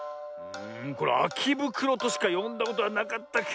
これ「あきぶくろ」としかよんだことはなかったけど。